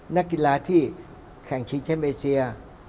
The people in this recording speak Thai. นักกีฬาที่แข่งชิงแชมป์เอเชีย